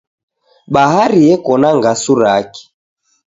Bahari yeko na ngasu rake